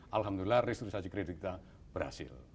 alhamdulillah restruksi kredit kita berhasil